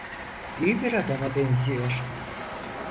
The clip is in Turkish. İyi bir adama benziyor.